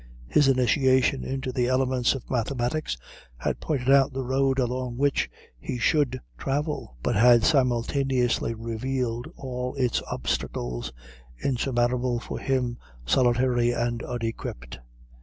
His initiation into the elements of mathematics had pointed out the road along which he should travel, but had simultaneously revealed all its obstacles, insurmountable for him solitary and unequipped.